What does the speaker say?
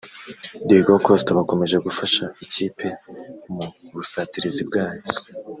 Diego Costa bakomeje gufasha iyi kipe mu busatirizi bwayo